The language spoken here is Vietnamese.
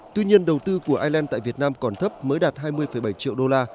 tuy nhiên đầu tư của ireland tại việt nam còn thấp mới đạt hai mươi bảy triệu đô la